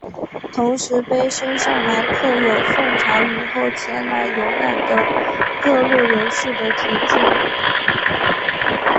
同时碑身上还刻有宋朝以后前来游览的各路人士的题字。